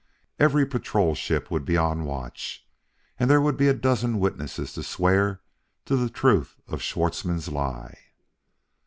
Every patrol ship would be on the watch. And there would be a dozen witnesses to swear to the truth of Schwartzmann's lie.